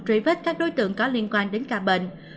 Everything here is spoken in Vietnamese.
truy vết các đối tượng có liên quan đến ca bệnh